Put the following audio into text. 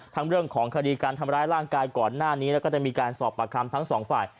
เรื่องของคดีการทำร้ายร่างกายก่อนหน้านี้แล้วก็จะมีการสอบปากคำทั้งสองฝ่าย